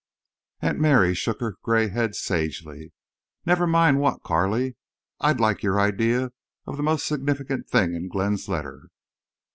Aunt Mary shook her gray head sagely. "Never mind what. Carley, I'd like your idea of the most significant thing in Glenn's letter."